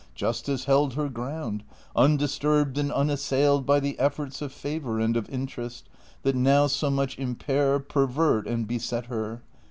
Justice held her ground, undisturbed and un assailed by the efforts of favor and of interest, that now so much impair, pervert, and beset her.